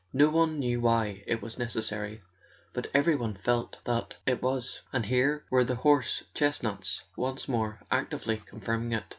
No one knew why it was necessary, but every one felt that it was; and here were the horse chestnuts once more actively confirming it.